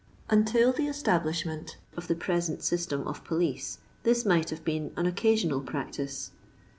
Until the establishment of the present system of police, this might have been an occasional practice.